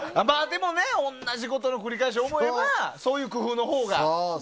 でも、同じことの繰り返しと思えばそういう工夫のほうが。